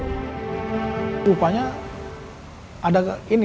rupanya ada ini